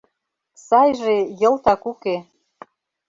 Сайже йылтак уке.